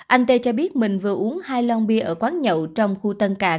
anh tê cho biết mình vừa uống hai lon bia ở quán nhậu trong khu tàu